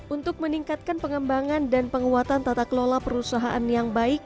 untuk meningkatkan pengembangan dan penguatan tata kelola perusahaan yang baik